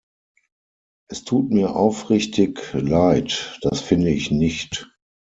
Es tut mir aufrichtig leid, das finde ich nicht.